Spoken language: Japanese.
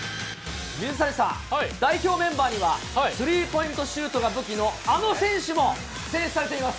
水谷さん、代表メンバーにはスリーポイントシュートが武器のあの選手も選出されています。